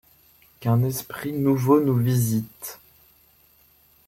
Qu'un esprit nouveau nous visite !